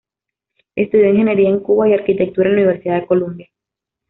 Estudió ingeniería en Cuba y arquitectura en la Universidad de Columbia.